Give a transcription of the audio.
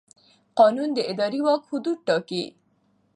قانون د اداري واک حدود ټاکي.